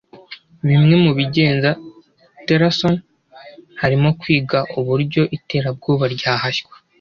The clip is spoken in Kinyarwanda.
Bimwe mu bigenza Tillerson harimo kwiga uburyo iterabwoba ryahashywa